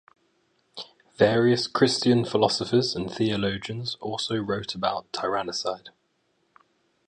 Various Christian philosophers and theologians also wrote about tyrannicide.